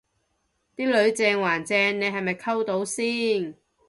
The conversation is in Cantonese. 啲女正還正你係咪溝到先